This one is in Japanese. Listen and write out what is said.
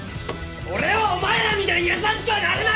俺はお前らみたいに優しくはなれないんだよ！